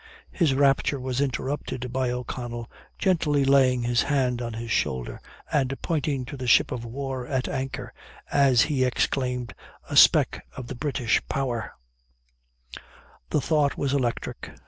His rapture was interrupted by O'Connell, gently laying his hand on his shoulder, and pointing to the ship of war at anchor, as he exclaimed "A speck of the British power!" The thought was electric.